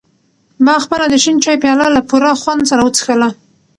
ما خپله د شین چای پیاله له پوره خوند سره وڅښله.